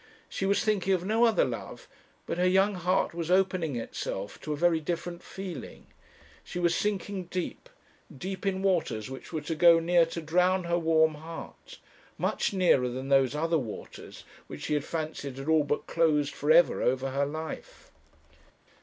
She was thinking of no other love; but her young heart was opening itself to a very different feeling. She was sinking deep, deep in waters which were to go near to drown her warm heart; much nearer than those other waters which she fancied had all but closed for ever over her life.